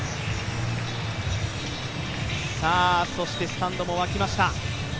スタンドも沸きました。